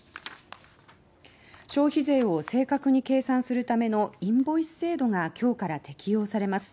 消費税を正確に計算するためのインボイス制度が今日から適用されます。